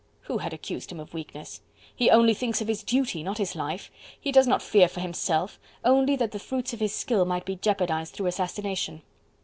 Who had accused him of weakness? He only thinks of his duty, not of his life; he does not fear for himself, only that the fruits of his skill might be jeopardized through assassination.